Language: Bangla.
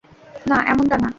না, এমনটা না।